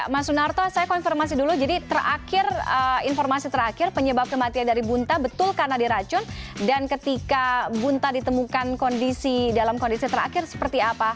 mas sunarto saya konfirmasi dulu jadi informasi terakhir penyebab kematian dari bunta betul karena diracun dan ketika bunta ditemukan dalam kondisi terakhir seperti apa